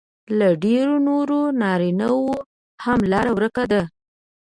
له ډېرو نورو نارینهو هم لار ورکه ده